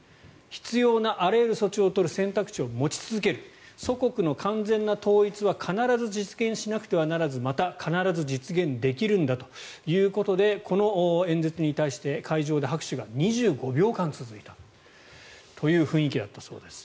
必要なあらゆる措置を取る選択肢を持ち続ける祖国の完全な統一は必ず実現しなければならずまた、必ず実現できるんだということでこの演説に対して会場で拍手が２５秒間続いたという雰囲気だったそうです。